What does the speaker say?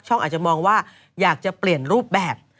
อาจจะมองว่าอยากจะเปลี่ยนรูปแบบ